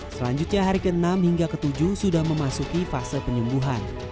selanjutnya hari keenam hingga ketujuh sudah memasuki fase penyembuhan